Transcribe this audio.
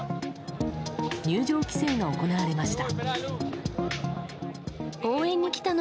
入場規制が行われました。